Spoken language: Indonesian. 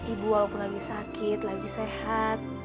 ibu walaupun lagi sakit lagi sehat